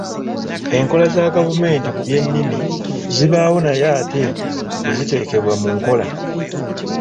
Enkola za gavumenti ku by'ennimi zibaawo naye ate teziteekebwa mu nkola.